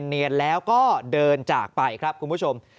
เนียนแล้วก็เดินจากไปครับคุณผู้ชม